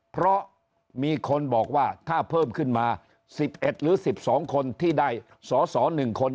เพราะมีคนบอกว่าถ้าเพิ่มขึ้นมา๑๑หรือ๑๒คนที่ได้สอสอ๑คน